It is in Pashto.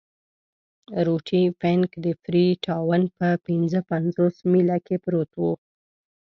روټي فنک د فري ټاون په پنځه پنځوس میله کې پروت وو.